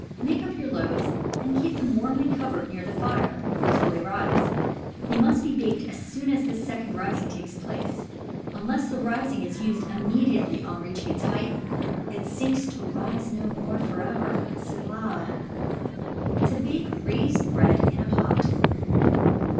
Make up your loaves, and keep them warmly covered near the fire till they rise. They must be baked as soon as this second rising takes place; for, unless the rising is used immedi ately on reaching its height, it sinks to rise no more forever — selah ! To Bake Raised Bread in a Pot.